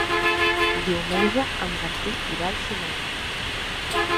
Diumenge en Martí irà al cinema.